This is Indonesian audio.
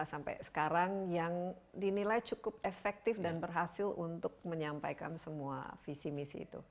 dua ribu sembilan belas sampai sekarang yang dinilai cukup efektif dan berhasil untuk menyampaikan semua visi misi itu